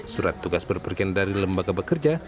surat tugas berpergian dari lembaga bekerja